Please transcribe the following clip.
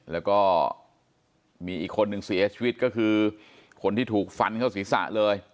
แล้วก็มีอีกคนนึงเสียชีวิตก็คือคนที่ถูกฟันเข้าศีรษะเลย